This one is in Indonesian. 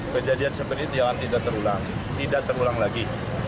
kejadian seperti ini tidak terulang tidak terulang lagi